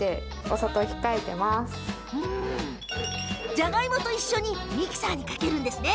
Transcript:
じゃがいもと一緒にミキサーにかけるんですね。